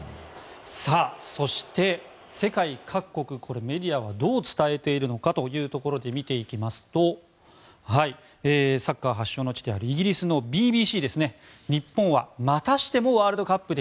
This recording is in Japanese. そして、世界各国メディアはどう伝えているのかというところで見ていきますとサッカー発祥の地であるイギリスのＢＢＣですね日本はまたしてもワールドカップで